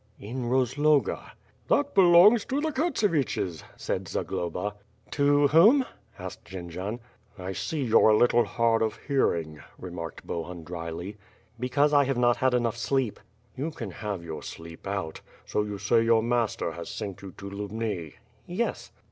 '' "In Rozloga." "That belongs to the Kurtseviches," said Zagloba. "To whom?" asked Jendzian. "I see you're a little hard of hearing," remarked Bohun dryly. "Because I have not had enough sleep." "You can have your sleep out. So you say your master has sent you to Lubni?" "Yes."